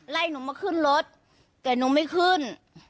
หนูมาขึ้นรถแต่หนูไม่ขึ้น